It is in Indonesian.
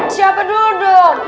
siapa dulu dong